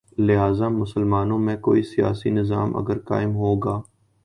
لہذا مسلمانوں میں کوئی سیاسی نظم اگر قائم ہو گا۔